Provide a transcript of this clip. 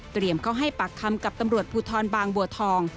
เข้าให้ปากคำกับตำรวจภูทรบางบัวทอง